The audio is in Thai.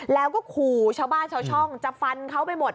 แล้วก็ขู่ชาวบ้านชาวช่องจะฟันเขาไปหมด